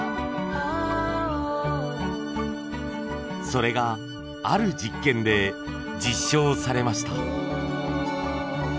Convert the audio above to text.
それがある実験で実証されました。